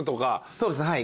そうですねはい。